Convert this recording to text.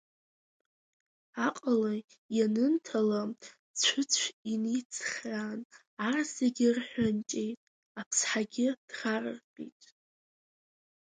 Аҟала ианынҭала Цәыцә иницхраан, ар зегьы рҳәынҷеит, аԥсҳагьы дӷарыртәит.